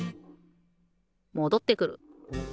もどってくる。